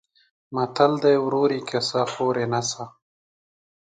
متل دی: ورور یې کسه خور یې نسه.